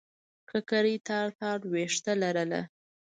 ککرۍ تار تار وېښته لرله.